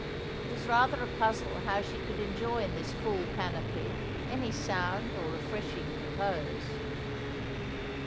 It is rather a puzzle how she could enjoy in this full panoply any sound or refreshing repose.